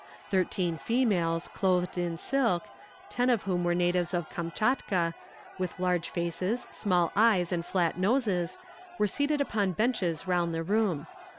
Thirteen females, clothed in silk, ten of whom were natives of Kamtchatka, with large faces, small eyes, and flat noses, were seated upon benches round the room.